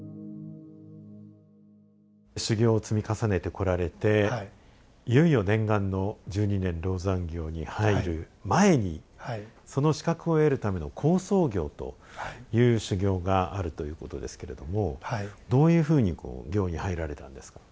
修行を積み重ねてこられていよいよ念願の十二年籠山行に入る前にその資格を得るための「好相行」という修行があるということですけれどもどういうふうにこう行に入られたんですか？